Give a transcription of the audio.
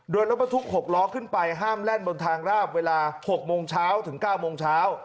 โดยรถบรรทุก๖ล้อขึ้นไปห้ามแล่นบนทางราบเวลา๖โมงเช้าถึง๙โมงเช้า